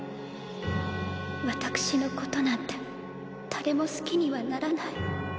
私のことなんて誰も好きにはならない。